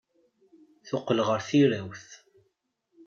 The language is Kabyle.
Teqqel ɣer tirawt.